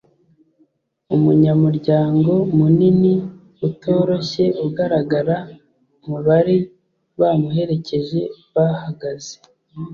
umunyamuryango munini, utoroshye ugaragara mubari bamuherekeje bahagaze